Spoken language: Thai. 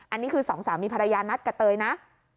อันนี้คือสองสามีภรรยานัดกับเตยนะ